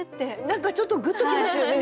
何かちょっとグッときますよね。